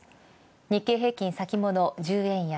日経平均先物１０円安。